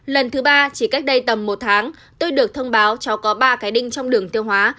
lần thứ ba chỉ cách đây tầm một tháng tôi được thông báo cháu có ba cái đinh trong đường tiêu hóa